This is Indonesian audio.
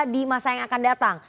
di masa yang akan datang